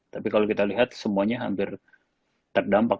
tapi kalau kita lihat semuanya hampir terdampak